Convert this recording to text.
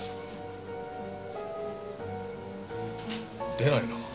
出ないな。